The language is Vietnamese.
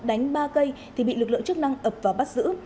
đánh ba cây thì bị lực lượng chức năng ập vào bắt giữ